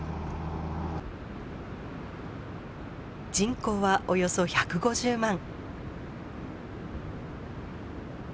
人口はおよそ１５０万。